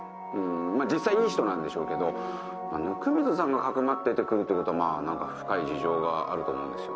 実際いい人なんでしょうけど温水さんが「匿って」って来るっていうことは何か深い事情があると思うんですよね。